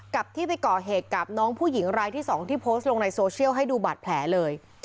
กับที่ไปก่อเหตุกับน้องผู้หญิงรายที่๒ที่โพสต์ลงในโซเชียลให้ดูบาดแผลเลย